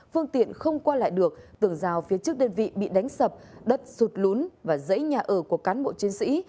phương tiện không qua lại được tường rào phía trước đơn vị bị đánh sập đất sụt lún và giấy nhà ở của cán bộ chiến sĩ